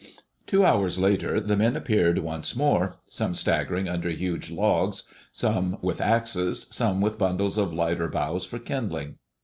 Two hours later the men appeared once more, some staggering under huge logs, some with axes, some with bundles of lighter boughs for kindling.